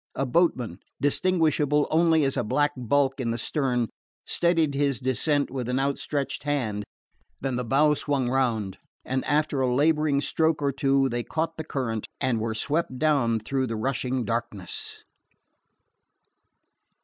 A boatman, distinguishable only as a black bulk in the stern, steadied his descent with outstretched hand; then the bow swung round, and after a labouring stroke or two they caught the current and were swept down through the rushing darkness.